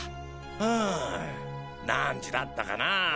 ん何時だったかな？